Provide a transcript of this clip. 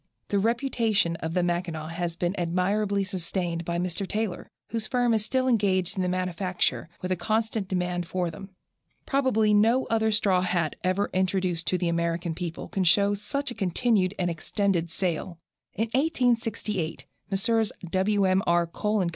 The reputation of the Mackinaw has been admirably sustained by Mr. Taylor, whose firm is still engaged in their manufacture, with a constant demand for them. Probably no other straw hat ever introduced to the American public can show such a continued and extended sale. In 1868 Messrs. Wm. R. Cole & Co.